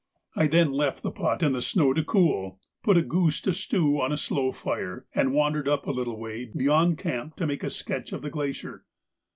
I then left the pot in the snow to cool, put a goose to stew on a slow fire, and wandered up a little way beyond camp to make a sketch of the glacier.